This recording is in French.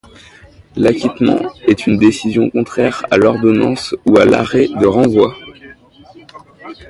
L'acquittement est une décision contraire à l'ordonnance ou à l'arrêt de renvoi.